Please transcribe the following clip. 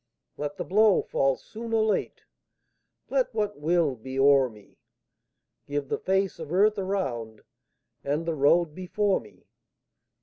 Let the blow fall soon or late, Let what will be o'er me; Give the face of earth around And the road before me.